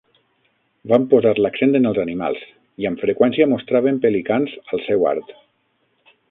Van posar l'accent en els animals, i amb freqüència mostraven pelicans al seu art.